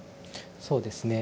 そうですね。